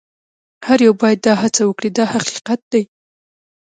هر یو باید دا هڅه وکړي دا حقیقت دی.